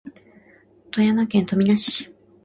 富山県砺波市